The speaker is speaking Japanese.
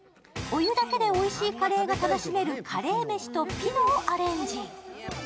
お湯だけでおいしいカレーが楽しめるカレーメシとピノをアレンジ。